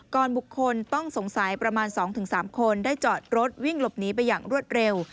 บุคคลต้องสงสัยประมาณ๒๓คนได้จอดรถวิ่งหลบหนีไปอย่างรวดเร็ว